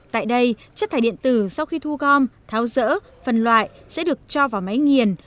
tại đây chất thải điện tử sau khi thu gom tháo rỡ phần loại sẽ được cho vào máy nghiền